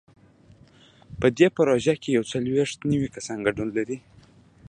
په دې پروژه کې یو څلوېښت نوي کسان ګډون لري.